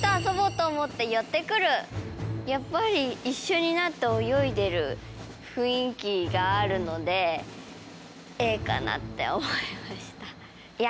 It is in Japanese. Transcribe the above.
やっぱり一緒になって泳いでる雰囲気があるのでＡかなって思いました。